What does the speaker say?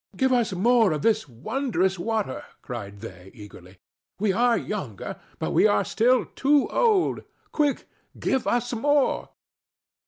"Give us more of this wondrous water," cried they, eagerly. "We are younger, but we are still too old. Quick! give us more!"